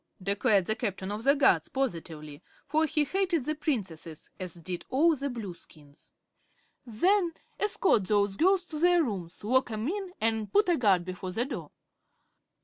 declared the Captain of the Guards, positively, for he hated the Princesses, as did all the Blueskins. "Then escort those girls to their rooms, lock 'em in, an' put a guard before the door."